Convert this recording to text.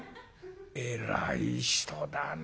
えらい人だね。